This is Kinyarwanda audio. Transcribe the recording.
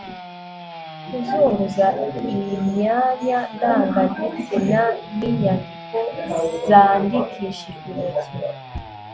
kuzunguza imyanya ndangagitsina n'inyandiko zandikishijwe intoki